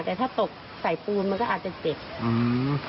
แต่ถ้าตกใส่ปูนมันก็อาจจะเจ็บอืม